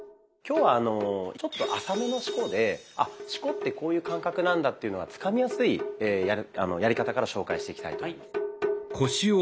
今日はちょっと浅めの四股で「あ四股ってこういう感覚なんだ」っていうのがつかみやすいやり方から紹介していきたいと思います。